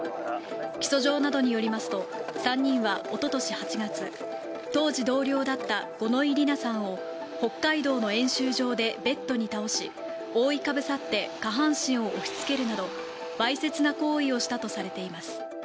起訴状などによりますと、３人はおととし８月、当時、同僚だった五ノ井里奈さんを北海道の演習場でベッドに倒し覆いかぶさって、下半身を押しつけるなど、わいせつな行為をしたとされています。